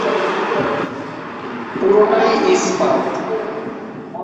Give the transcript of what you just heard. পুরোটাই ইস্পাত।